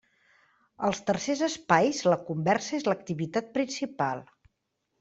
Als tercers espais la conversa és l'activitat principal.